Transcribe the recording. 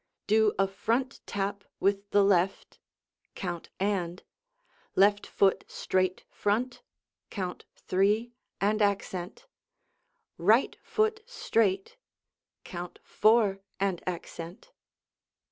Do a front tap with the left (count "and"), left foot straight front (count "three" and accent), right foot straight (count "four" and accent).